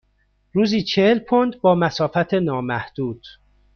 روزی چهل پوند با مسافت نامحدود.